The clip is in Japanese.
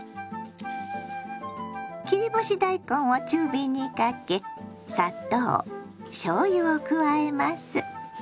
切り干し大根を中火にかけ砂糖しょうゆを加えます。